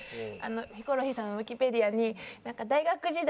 ヒコロヒーさんのウィキペディアに大学時代